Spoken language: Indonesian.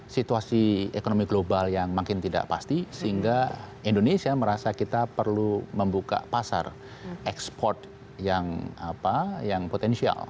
situasi ekonomi global yang makin tidak pasti sehingga indonesia merasa kita perlu membuka pasar ekspor yang potensial